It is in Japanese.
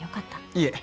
いえ。